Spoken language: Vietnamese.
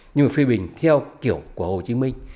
nhưng mà phê bình theo kiểu của hồ chí minh